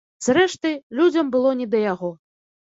Зрэшты, людзям было не да яго.